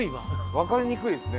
分かりにくいですね。